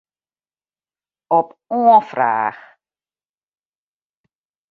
Op oanfraach.